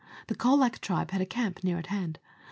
The Colac tribe had a camp near at hand.